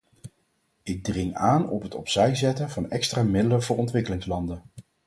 Ik dring aan op het opzijzetten van extra middelen voor ontwikkelingslanden.